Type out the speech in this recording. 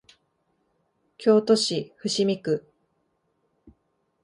京都市伏見区